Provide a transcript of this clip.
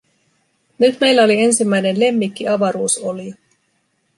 Nyt meillä oli ensimmäinen lemmikkiavaruusolio.